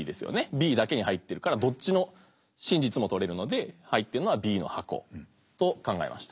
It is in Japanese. Ｂだけに入ってるからどっちの真実もとれるので入ってるのはＢの箱と考えました。